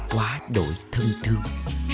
quá đổi thân thương